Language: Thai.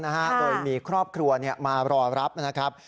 ในต้นมีครอบครัวเนี่ยมารอรับนะนะครับ